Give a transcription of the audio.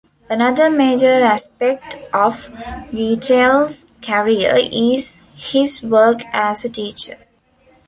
Another major aspect of Guettel's career is his work as a teacher.